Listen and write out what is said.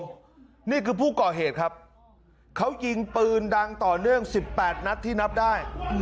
นี่คือผู้ก่อเหตุครับเขายิงปืนดังต่อเนื่อง๑๘นัดที่นับได้